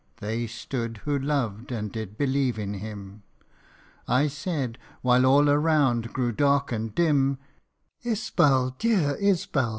They stood who loved and did believe in Him, I said, while all around grew dark and dim "" Isbal, dear Isbal